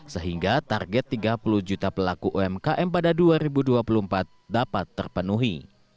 sehingga target tiga puluh juta pelaku umkm pada dua ribu dua puluh empat dapat terpenuhi